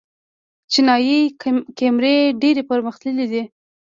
چینايي کیمرې ډېرې پرمختللې دي.